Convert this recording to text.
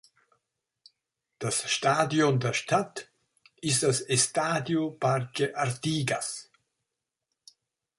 Das Stadion der Stadt ist das Estadio Parque Artigas.